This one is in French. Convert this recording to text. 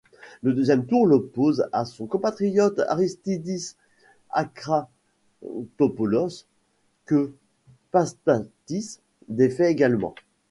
Le deuxième tour l'oppose à son compatriote Aristídis Akratópoulos, que Paspátis défait également.